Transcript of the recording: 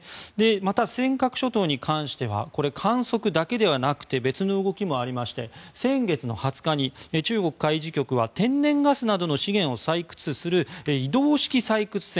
また、尖閣諸島に関しては観測だけではなくて別の動きもありまして先月２０日に中国海事局は天然ガスなどの資源を採掘する移動式採掘船